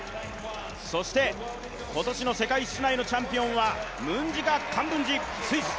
そして今年の世界室内のチャンピオンはムンジガ・カンブンジ、スイス。